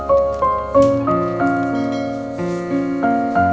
aku mau ke sana